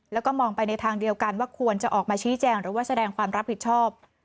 แล้วก็มองไปในทางเดียวกันว่าควรจะออกมาชี้แจงหรือว่าแสดงความรับผิดชอบ